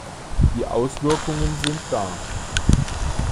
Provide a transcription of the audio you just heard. Die Auswirkungen sind da.